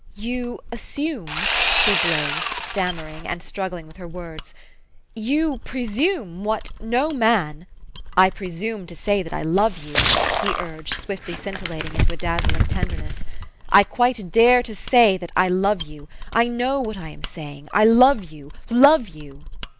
"You assume," she blazed, stammering, and struggling with her words, " you presume what no man '' "I presume to say that I love you," he urged, swiftly scintillating into a dazzling tenderness. " I quite dare to say that I love you. I know what I am saying. I love you, love you